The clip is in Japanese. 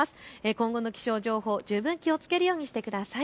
今後の気象情報、十分気をつけるようにしてください。